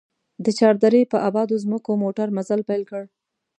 د چار درې په ابادو ځمکو موټر مزل پيل کړ.